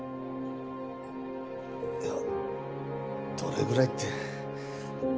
いやどれぐらいって。